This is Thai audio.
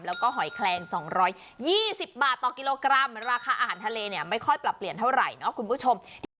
แล้วก็หอยแคลง๒๒๐บาทต่อกิโลกรัมราคาอาหารทะเลเนี่ยไม่ค่อยปรับเปลี่ยนเท่าไหร่เนาะคุณผู้ชม